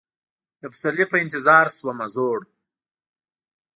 د پسرلي په انتظار شومه زوړ